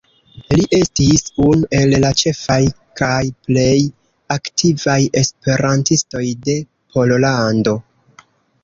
Li estis unu el la ĉefaj kaj plej aktivaj esperantistoj de Pollando.